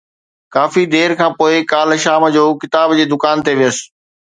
ڪافي دير کان پوءِ ڪالهه شام جو ڪتاب جي دڪان تي ويس